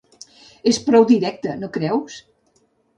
És prou directe, no creus?